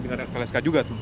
ada lpsk juga tuh